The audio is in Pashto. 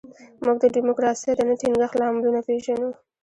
موږ د ډیموکراسۍ د نه ټینګښت لاملونه پېژنو.